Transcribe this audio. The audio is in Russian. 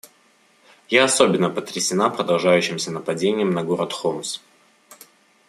Я особенно потрясена продолжающимся нападением на город Хомс.